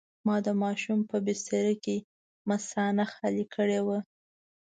ما د ماشوم په بستره کې مثانه خالي کړې وه.